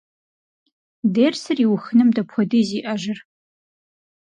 Дерсыр иухыным дапхуэдиз иӏэжыр?